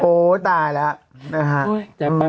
โอ๊ยตายแล้ว